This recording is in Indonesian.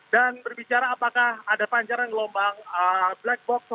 dan berbicara apakah ada pancaran gelombang black box